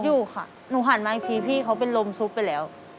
อยู่ค่ะหนูหันมาอีกทีพี่เขาเป็นลมซุกไปแล้ว